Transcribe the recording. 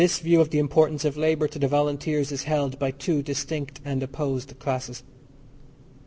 This view of the importance of labour to the Volunteers is held by two distinct and opposed classes.